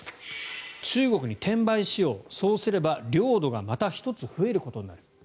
中国に転売しようそうすれば領土がまた１つ増えることになる。